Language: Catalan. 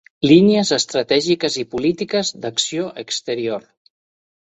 Línies estratègiques i polítiques d'acció exterior.